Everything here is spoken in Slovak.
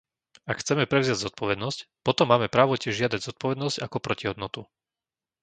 Ak chceme prevziať zodpovednosť, potom máme právo tiež žiadať zodpovednosť ako protihodnotu.